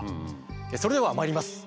それではまいります。